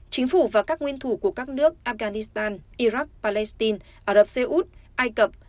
chính phủ và các nguyên thủ của các nước afghanistan iraq palestine ả rập xê út ai cập